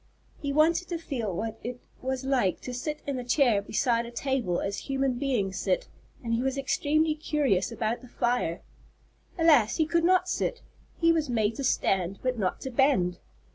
He wanted to feel what it was like to sit in a chair beside a table as human beings sit, and he was extremely curious about the fire. Alas, he could not sit! He was made to stand but not to bend.